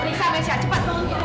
tolong jangan geledah kamar saya ya